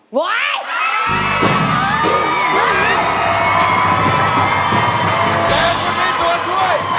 แต่คุณมีตัวช่วย